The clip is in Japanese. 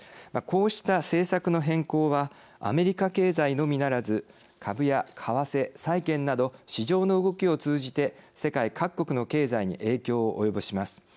こうした政策の変更はアメリカ経済のみならず株や為替、債券など市場の動きを通じて世界各国の経済に影響を及ぼします。